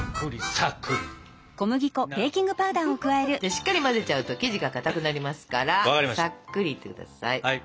しっかり混ぜちゃうと生地がかたくなりますからさっくりいって下さい。